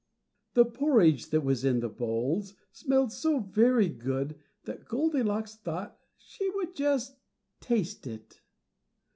The porridge that was in the bowls smelled so very good that Goldilocks thought she would just taste it.